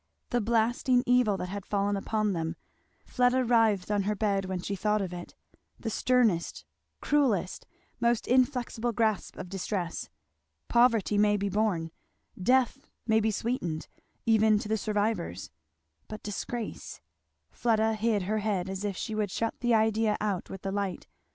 The blasting evil that had fallen upon them, Fleda writhed on her bed when she thought of it. The sternest, cruellest, most inflexible, grasp of distress. Poverty may be borne, death may be sweetened, even to the survivors; but disgrace Fleda hid her head, as if she would shut the idea out with the light.